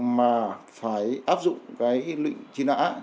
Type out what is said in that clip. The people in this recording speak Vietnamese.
mà phải áp dụng cái lệnh truy nã